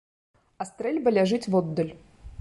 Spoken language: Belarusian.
А стрэльба ляжыць воддаль.